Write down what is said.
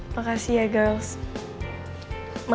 makasih ya teman teman